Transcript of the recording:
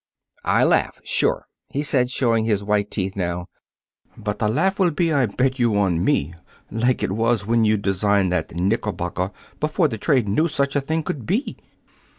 "I laugh sure," he said, showing his white teeth now. "But the laugh will be, I bet you, on me like it was when you designed that knickerbocker before the trade knew such a thing could be."